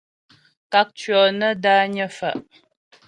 Kákcyɔ́ nə́ dányə́ fá'.